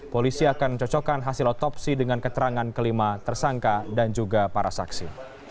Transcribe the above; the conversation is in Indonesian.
polisi akan cocokkan hasil otopsi dengan keterangan kelima tersangka dan juga para saksi